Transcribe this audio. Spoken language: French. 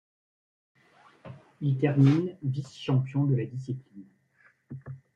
Il termine vice-champion de la discipline.